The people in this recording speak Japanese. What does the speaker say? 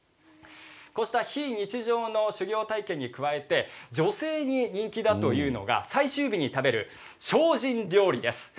こうした非日常の修行体験に加えて女性に人気だというのが最終日に食べる精進料理です。